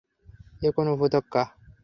এ কোন উপত্যকা?